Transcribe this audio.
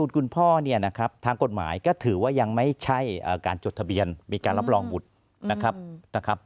คุณพ่อเนี่ยนะครับทางกฎหมายก็ถือว่ายังไม่ใช่การจดทะเบียนมีการรับรองบุตรนะครับ